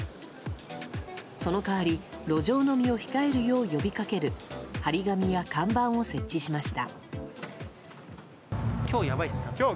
その代わり路上飲みを控えるよう呼びかける貼り紙や看板を設置しました。